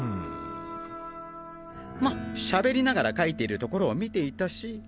ましゃべりながら書いてるところを見ていたし。